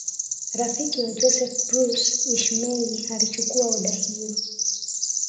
Rafiki wa Joseph Bruce Ismay alichukua oda hiyo